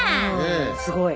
すごい！